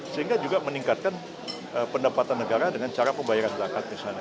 sehingga juga meningkatkan pendapatan negara dengan cara pembayaran zakat di sana